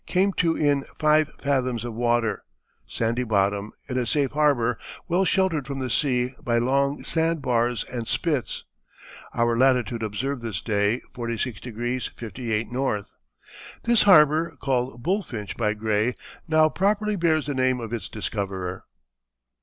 came to in 5 fathoms of water, sandy bottom, in a safe harbour well sheltered from the sea by long sand bars and spits. Our latitude observed this day 46° 58´ N." This harbor, called Bulfinch by Gray, now properly bears the name of its discoverer.